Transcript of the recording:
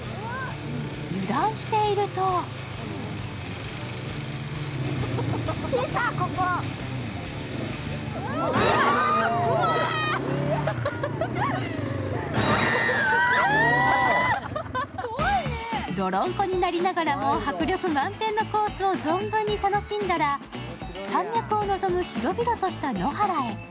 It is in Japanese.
油断しているとどろんこになりながらも迫力満点のコースを存分に楽しんだら山脈を望む広々とした野原へ。